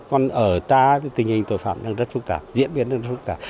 còn ở ta thì tình hình tội phạm đang rất phức tạp diễn biến rất phức tạp